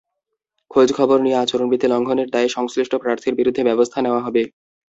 খোঁজখবর নিয়ে আচরণবিধি লঙ্ঘনের দায়ে সংশ্লিষ্ট প্রার্থীর বিরুদ্ধে ব্যবস্থা নেওয়া হবে।